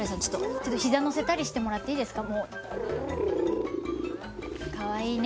ちょっとヒザ乗せたりしてもらっていいですか？